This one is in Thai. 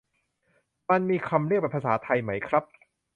มันมีคำเรียกเป็นภาษาไทยไหมครับ